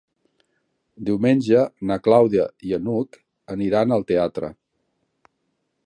Diumenge na Clàudia i n'Hug aniran al teatre.